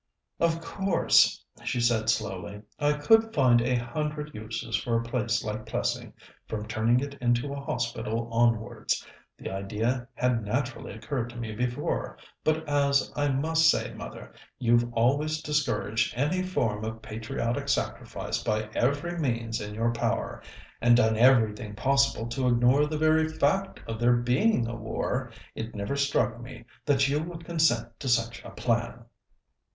"Of course," she said slowly, "I could find a hundred uses for a place like Plessing, from turning it into a hospital onwards. The idea had naturally occurred to me before, but as, I must say, mother, you've always discouraged any form of patriotic sacrifice by every means in your power, and done everything possible to ignore the very fact of there being a war, it never struck me that you would consent to such a plan."